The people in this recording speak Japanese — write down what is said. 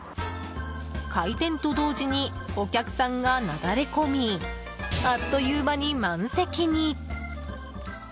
開店と同時にお客さんがなだれ込みあっという間に満席に。